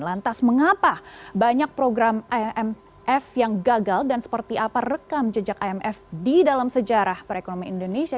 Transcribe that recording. lantas mengapa banyak program imf yang gagal dan seperti apa rekam jejak imf di dalam sejarah perekonomian indonesia